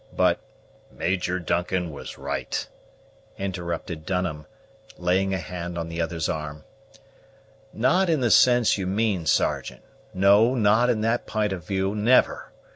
But " "Major Duncan was right," interrupted Dunham, laying a hand on the other's arm. "Not in the sense you mean, Sergeant no, not in that p'int of view; never!